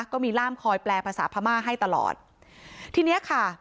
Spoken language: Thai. ก็มีล่ามคอยแปลภาษาพม่าให้ตลอดทีเนี้ยค่ะ